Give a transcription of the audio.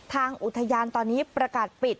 ทางอุทยานตอนนี้ประกาศปิด